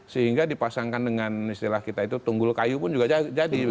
sehingga dipasangkan dengan istilah kita itu tunggul kayu pun juga jadi